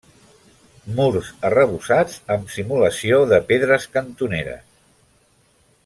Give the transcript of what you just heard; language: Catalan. Murs arrebossats amb simulació de pedres cantoneres.